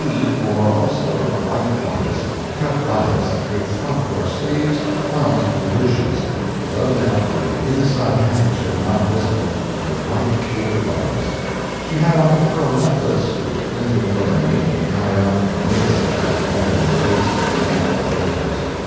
C. wore also a white bodice, cut bias, with Pompadour sleeves, flounced with ruches; low neck, with the inside handkerchief not visible, with white kid gloves. She had on a pearl necklace, which glinted lonely, high up the midst of that barren waste of neck and shoulders.